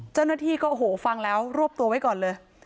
เจ้าหน้าที่ก็โอ้โหฟังแล้วรวบตัวไว้ก่อนเลย